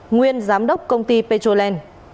nguyên giám đốc công ty petrolen